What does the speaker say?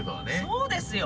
そうですよ